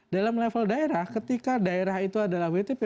dalam level daerah ketika daerah itu adalah wtp